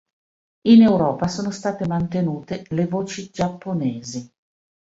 In Europa sono state mantenute le voci giapponesi.